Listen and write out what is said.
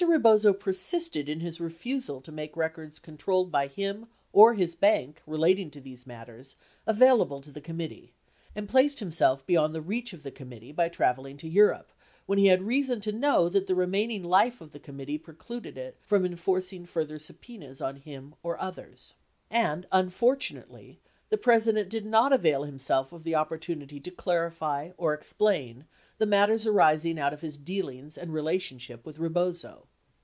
Rebozo persisted in his refusal to make records controlled by him or his bank relating to these matters available to the committee and placed himself beyond the reach of the committee by traveling to Europe when he had reason to know that the remaining life of the committee precluded it from enforcing further subpenas on him or others. And unfortunately, the President did not avail himself of the opportunity to clarify or explain the matters arising out of his deal ings and relationship with Rebozo.